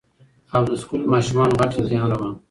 او د سکول ماشومانو غټ امتحان روان وو